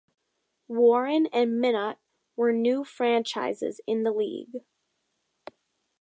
Warren and Minot were new franchises in the league.